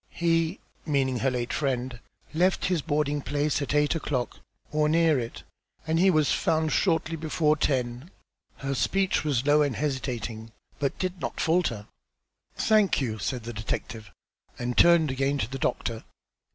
"He," meaning her late friend, "left his boarding place at eight o'clock, or near it, and he was found shortly before ten." Her speech was low and hesitating, but it did not falter. "Thank you," said the detective, and turned again to the doctor.